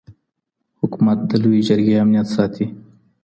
حکومت د لويې جرګي امنيت ساتي.